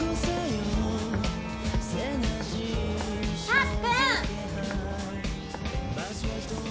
・たっくん！